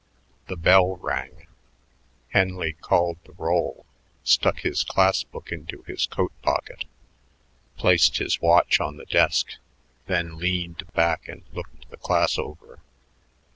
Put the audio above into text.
The bell rang. Henley called the roll, stuck his class book into his coat pocket, placed his watch on the desk; then leaned back and looked the class over.